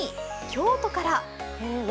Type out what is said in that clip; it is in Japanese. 京都から。